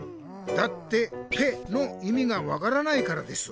だって『ぺ』のいみが分からないからです。